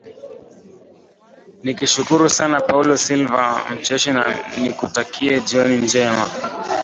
nikushukuru sana paulo silva mcheshi na nikutakie jioni njema